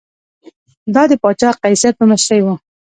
دا د پاچا قیصر په مشرۍ و